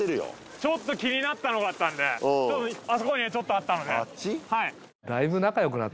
ちょっと気になったのがあったんであそこにちょっとあったのであっち？